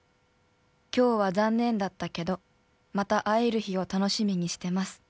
「今日は残念だったけどまた会える日を楽しみにしてます」